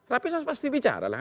rapimnas pasti bicara lah